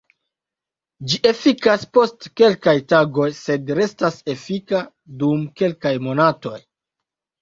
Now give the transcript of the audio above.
Ĝi efikas post kelkaj tagoj sed restas efika nur dum kelkaj monatoj.